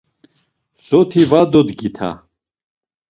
Soti va dodgita!